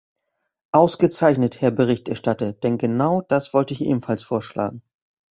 Ausgezeichnet, Herr Berichterstatter, denn genau das wollte ich ebenfalls vorschlagen.